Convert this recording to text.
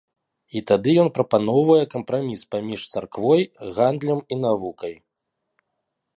І тады ён прапаноўвае кампраміс паміж царквой, гандлем і навукай.